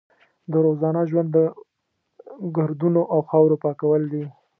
د روزانه ژوند د ګردونو او خاورو پاکول دي.